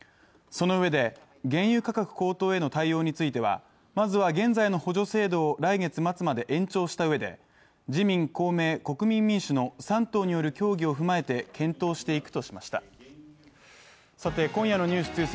そのうえで原油価格高騰への対応についてはまずは現在の補助制度を来月末まで延長したうえで自民・公明・国民民主の３党による協議を踏まえて検討していくとしました。